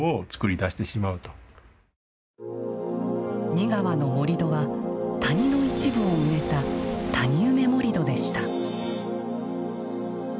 仁川の盛土は谷の一部を埋めた「谷埋め盛土」でした。